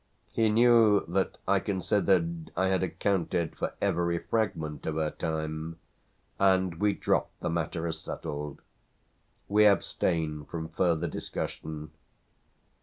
He knew that I considered I had accounted for every fragment of her time, and we dropped the matter as settled; we abstained from further discussion.